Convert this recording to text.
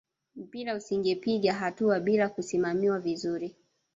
mpira usingepiga hatua bila kusimamiwa vizuri